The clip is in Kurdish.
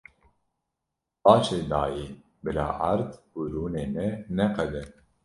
Baş e dayê, bila ard û rûnê me neqede.